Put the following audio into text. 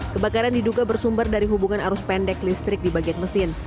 kebakaran diduga bersumber dari hubungan arus pendek listrik di bagian mesin